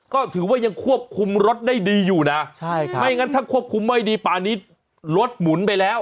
ก็ถือว่ายังควบคุมรถได้ดีอยู่นะใช่ครับไม่งั้นถ้าควบคุมไม่ดีป่านี้รถหมุนไปแล้ว